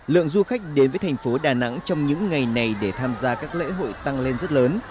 lượng du khách đến với thành phố đà nẵng trong những ngày này để tham gia các lễ hội tăng lên rất lớn